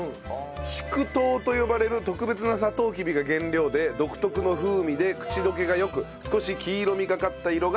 竹糖と呼ばれる特別なサトウキビが原料で独特の風味で口溶けが良く少し黄色みがかった色が特徴だと。